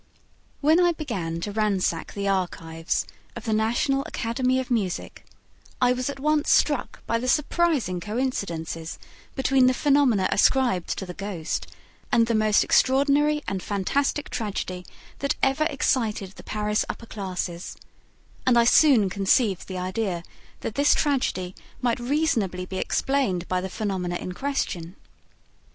When I began to ransack the archives of the National Academy of Music I was at once struck by the surprising coincidences between the phenomena ascribed to the "ghost" and the most extraordinary and fantastic tragedy that ever excited the Paris upper classes; and I soon conceived the idea that this tragedy might reasonably be explained by the phenomena in question.